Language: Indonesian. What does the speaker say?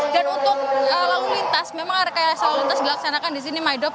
untuk lalu lintas memang rekayasa lalu lintas dilaksanakan di sini maidop